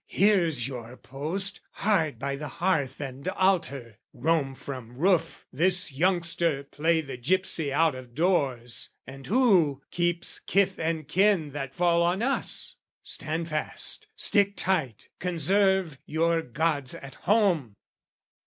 Here's your post, "Hard by the hearth and altar. (Roam from roof, "This youngster, play the gypsy out of doors, "And who keeps kith and kin that fall on us?) "Stand fast, stick tight, conserve your gods at home!"